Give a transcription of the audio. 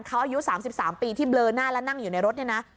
เขาอายุสามสิบสามปีที่เบลอหน้าแล้วนั่งอยู่ในรถเนี่ยนะ